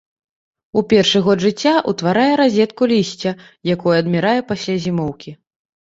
У першы год жыцця ўтварае разетку лісця, якое адмірае пасля зімоўкі.